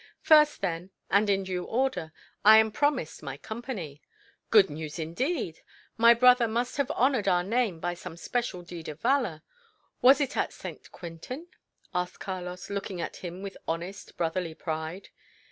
First, then, and in due order I am promised my company!" "Good news, indeed! My brother must have honoured our name by some special deed of valour. Was it at St. Quentin?" asked Carlos, looking at him with honest, brotherly pride.